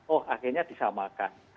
oh akhirnya disamakan